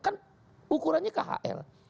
kan ukurannya khl